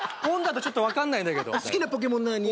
本だとちょっと分かんないんだけど好きなポケモン何？